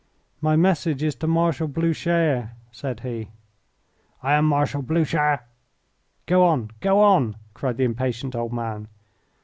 "My message is to Marshal Blucher," said he; "I am Marshal Blucher. Go on! go on!" cried the impatient old man.